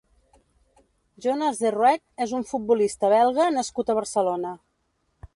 Jonas De Roeck és un futbolista belga nascut a Barcelona.